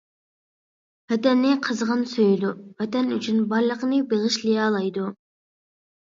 ۋەتەننى قىزغىن سۆيىدۇ، ۋەتەن ئۈچۈن بارلىقىنى بېغىشلىيالايدۇ.